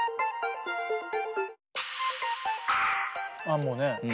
ああもうね。